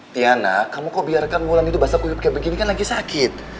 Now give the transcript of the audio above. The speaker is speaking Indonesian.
tiana kamu kok biarkan mulan itu basah kuyup kayak begini kan lagi sakit